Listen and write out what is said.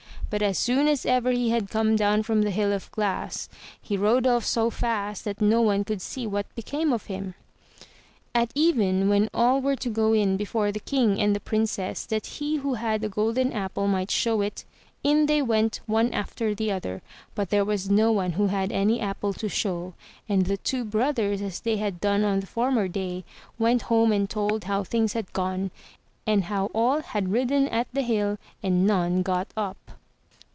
But as soon as ever he had come down from the hill of glass, he rode off so fast that no one could see what became of him. At even, when all were to go in before the king and the Princess, that he who had the golden apple might show it, in they went, one after the other, but there was no one who had any apple to show, and the two brothers, as they had done on the former day, went home and told how things had gone, and how all had ridden at the hill and none got up.